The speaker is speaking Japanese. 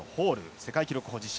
世界記録保持者。